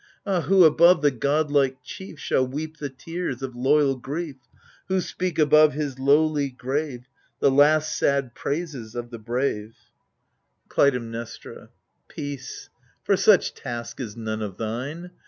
Ah who above the god like chief Shall weep the tears of loyal grief? Who speak above his lowly grave The last sad praises of the brave ? 72 AGAMEMNON Clytemnestra Peace ! for such task is none of thine.